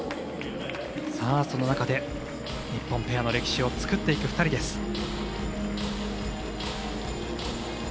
その中で日本ペアの歴史を作っていく２人です。